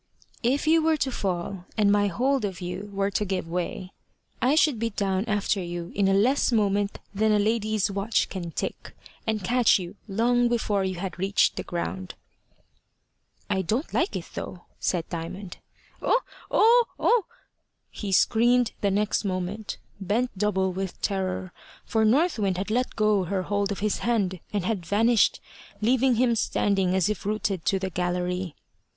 "If you were to fall, and my hold of you were to give way, I should be down after you in a less moment than a lady's watch can tick, and catch you long before you had reached the ground." "I don't like it though," said Diamond. "Oh! oh! oh!" he screamed the next moment, bent double with terror, for North Wind had let go her hold of his hand, and had vanished, leaving him standing as if rooted to the gallery.